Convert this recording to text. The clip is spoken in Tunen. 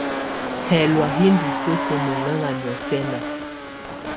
Hɛlɔ̀á hi ndù sǝ́kǝ́ mɔhɛŋa niɔ̀fɛna.